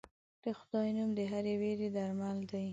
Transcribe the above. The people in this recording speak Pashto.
د خدای نوم د هرې وېرې درمل دی.